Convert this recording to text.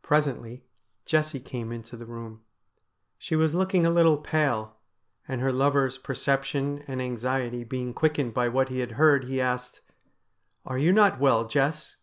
Presently Jessie came into the room. She was looking a little pale, and her lover's perception and anxiety being quickened by what he had heard, he asked :' Are you not well, Jess